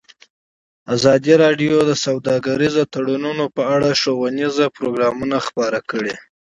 ازادي راډیو د سوداګریز تړونونه په اړه ښوونیز پروګرامونه خپاره کړي.